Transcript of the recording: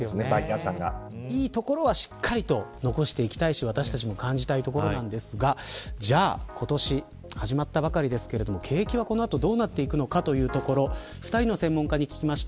いいところは残していきたいですし私たちも感じたいのですがじゃあ今年始まったばかりですが景気は、この後どうなっていくのかというところ２人の専門家に聞きました。